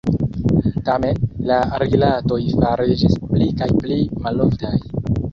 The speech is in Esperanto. Tamen, la rilatoj fariĝis pli kaj pli maloftaj.